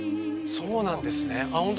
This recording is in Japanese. そうなんですねあ